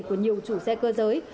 của nhiều chủ xe cơ giới